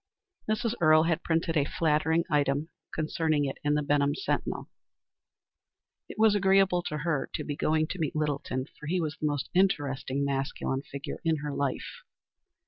Mrs. Earle had printed a flattering item concerning it in the Benham Sentinel. It was agreeable to her to be going to meet Littleton, for he was the most interesting masculine figure in her life.